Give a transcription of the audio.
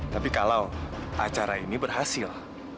tapi kalau acara ini berhasil